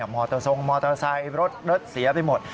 มอเตอร์ทรงมอเตอร์ไซค์รถรถเสียไปหมด